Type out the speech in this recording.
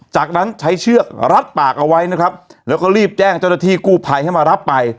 จากนั้นใช้เชือกรัดปากเอาไว้นะครับแล้วก็รีบแจ้งเจ้าหน้าที่กู้ภัยให้มารับไป